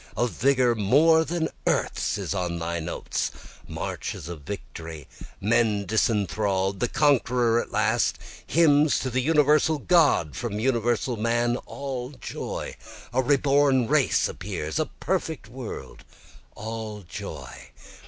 A vigor more than earth's is in thy notes, Marches of victory man disenthral'd the conqueror at last, Hymns to the universal God from universal man all joy! A reborn race appears a perfect world, all joy!